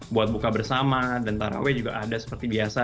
buat buka bersama dan taraweh juga ada seperti biasa